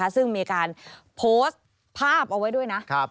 ซึ่งมีการโพสต์ภาพเอาไว้ด้วยนะ